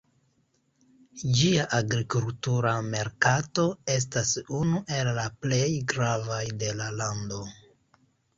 Ĝia agrikultura merkato estas unu el la plej gravaj de la lando.